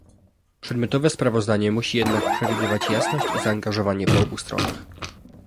Przedmiotowe sprawozdanie musi jednak przewidywać jasność i zaangażowanie po obu stronach